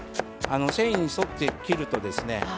繊維に沿って切るとですね